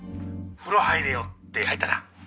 風呂入れよ。って入ったな。